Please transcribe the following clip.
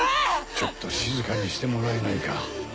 ちょっと静かにしてもらえないか。